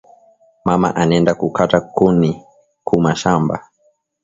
Mama anenda ku kata nkuni ku mashamba